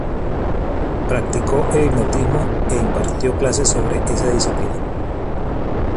Practicó el hipnotismo e impartió clases sobre esa disciplina.